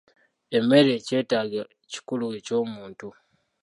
Emmere kyetaago kikulu eky'omuntu.